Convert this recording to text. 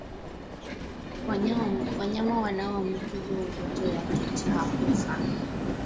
Wanyama wanaoambukizwa ugonjwa wa kichaa hufa